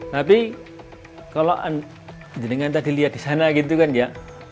tapi kalau jenengan tadi lihat di sana gitu kan ya